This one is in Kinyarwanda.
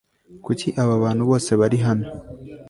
kuki aba bantu bose bari hano